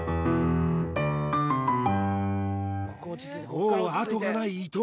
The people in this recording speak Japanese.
もうあとがない伊藤